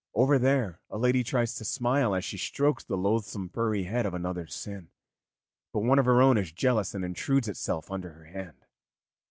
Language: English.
Over there a lady tries to smile as she strokes the loathsome furry head of another's sin, but one of her own is jealous and intrudes itself under her hand.